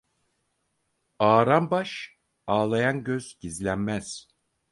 Ağaran baş, ağlayan göz gizlenmez.